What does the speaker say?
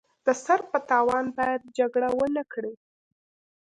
د سر په تاوان باید جګړه ونکړي.